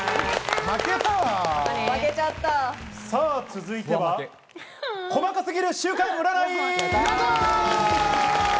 続いては、細かすぎる週間占い！